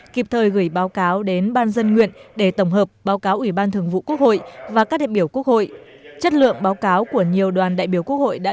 kịp thời gửi báo cáo đến ban dân nguyện để tổng hợp báo cáo ủy ban thường vụ quốc hội và các đại biểu quốc hội